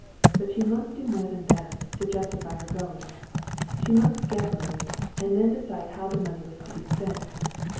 But she must do more than that, to justify her going. She must get money, and then decide how the money was to be spent.